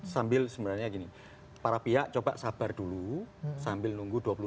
sambil sebenarnya gini para pihak coba sabar dulu sambil nunggu dua puluh empat jam